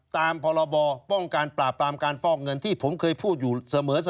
ตามพรบป้องกันปราบปรามการฟอกเงินที่ผมเคยพูดอยู่เสมอ